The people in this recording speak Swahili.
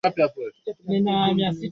Wanainama, mtakatifu ni wewe Mungu uu.